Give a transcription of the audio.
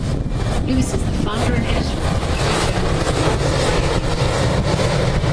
Lewis is the founder and editor of the literary journal "Bronx Biannual".